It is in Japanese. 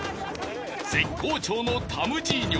［絶好調のタムジーニョ］